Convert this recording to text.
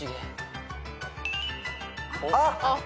あっ！